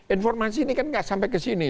informasi ini kan nggak sampai ke sini